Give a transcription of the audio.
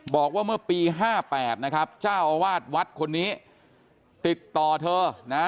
บอกว่าเมื่อปี๕๘นะครับเจ้าอาวาสวัดคนนี้ติดต่อเธอนะ